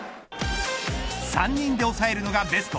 ３人で抑えるのがベスト。